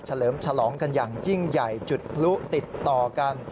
เลิมฉลองกันอย่างยิ่งใหญ่จุดพลุติดต่อกัน